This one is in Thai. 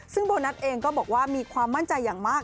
ซึ่งโบนัสเองก็บอกว่ามีความมั่นใจอย่างมาก